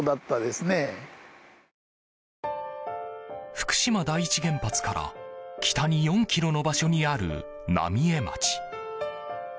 福島第一原発から北に４ｋｍの場所にある浪江町。